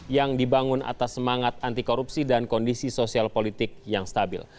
yang dibangun atas semangat anti korupsi dan kondisi sosial politik yang stabil